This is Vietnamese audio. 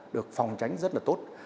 được phòng tránh rất là tốt